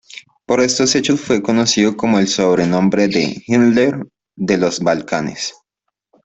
Por estos hechos fue conocido con el sobrenombre de "Himmler de los Balcanes".